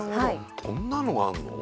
こんなのがあんの？